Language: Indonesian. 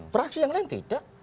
fraksi yang lain tidak